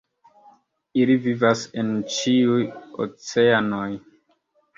Ili vivas en ĉiuj oceanoj.